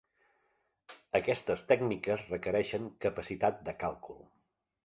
Aquestes tècniques requereixen capacitat de càlcul.